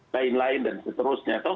lain lain dan seterusnya